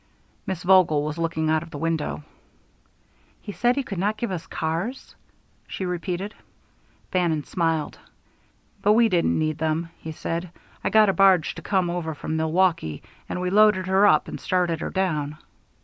Miss Vogel was looking out of the window. "He said he could not give us cars?" she repeated. Bannon smiled. "But we didn't need them," he said. "I got a barge to come over from Milwaukee, and we loaded her up and started her down."